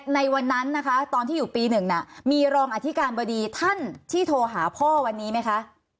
ในวันนั้นนะคะตอนที่อยู่ปี๑มีรองอธิการบดีท่านที่โทรหาพ่อวันนี้ไหมคะ